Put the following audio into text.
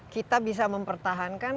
kita bisa mempertahankan